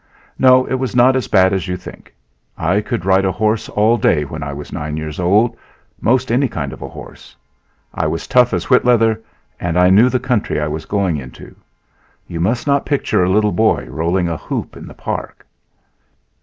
No, it was not as bad as you think. I could ride a horse all day when I was nine years old most any kind of a horse. I was tough as whit' leather, and I knew the country I was going into. You must not picture a little boy rolling a hoop in the park.